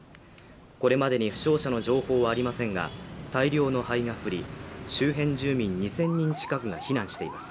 これまでに負傷者の情報はありませんが、大量の灰が降り、周辺住民２０００人近くが避難しています。